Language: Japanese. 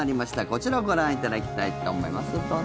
こちらをご覧いただきたいと思います、どうぞ。